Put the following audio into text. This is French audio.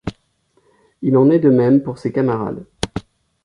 Il en est de même pour ses camarades.